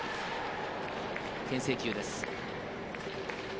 けん制球です。